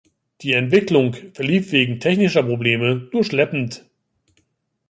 Die Entwicklung verlief wegen technischer Probleme nur schleppend.